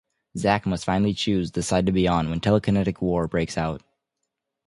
Zach must finally choose the side to be on when telekinetic war breaks out.